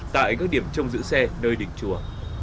tại các điểm trông giữ xe nơi đỉnh chùa